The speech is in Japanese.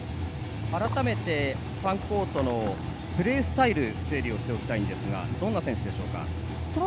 改めてファンコートのプレースタイルを整理しておきたいんですがどんな選手でしょうか。